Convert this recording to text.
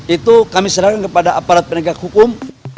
itu kami serahkan kepada aparat penegak hukum